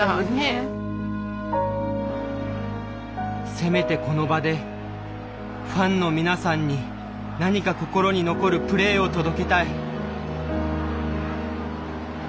せめてこの場でファンの皆さんに何か心に残るプレーを届けたい。